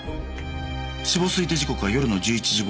死亡推定時刻は夜の１１時頃。